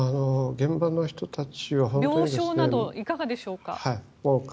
病床など、いかがでしょうか。